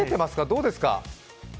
どうですか？